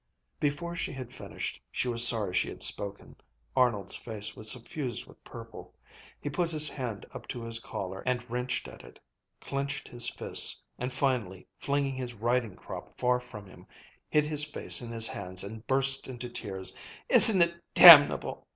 Before she had finished she was sorry she had spoken. Arnold's face was suffused with purple. He put his hand up to his collar and wrenched at it, clenched his fists, and finally, flinging his riding crop far from him, hid his face in his hands and burst into tears. "Isn't it damnable!"